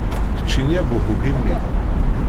Keččini a Buḥu Ḥimi.